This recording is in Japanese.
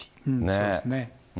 そうですね。